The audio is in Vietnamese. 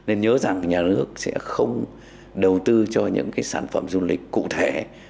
nên nhớ rằng nhà nước sẽ không đầu tư cho những cái sản phẩm du lịch cụ thể